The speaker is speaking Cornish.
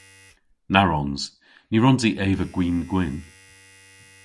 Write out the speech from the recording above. Na wrons. Ny wrons i eva gwin gwynn.